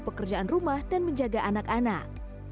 pekerjaan rumah dan menjaga anak anak